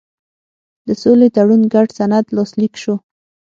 د سولې تړون ګډ سند لاسلیک شو.